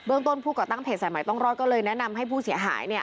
เบื้องต้นผู้ก่อตั้งเถสสะไหมต้องรอดก็เลยแนะนำให้ผู้เสียหายเนี่ย